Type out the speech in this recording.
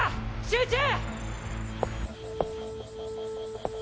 集中！